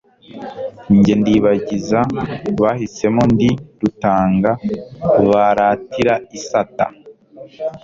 Ni jye Ndibagiza bahisemo ndi rutanga baratira isata